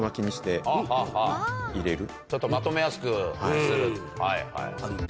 ちょっとまとめやすくする。